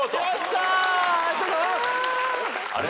あれ？